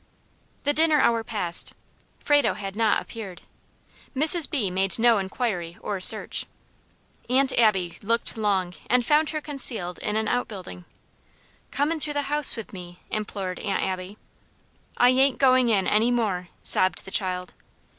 The dinner hour passed. Frado had not appeared. Mrs. B. made no inquiry or search. Aunt Abby looked long, and found her concealed in an outbuilding. "Come into the house with me," implored Aunt Abby. "I ain't going in any more," sobbed the child.